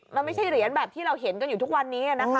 มันไม่ใช่เหรียญแบบที่เราเห็นกันอยู่ทุกวันนี้นะคะ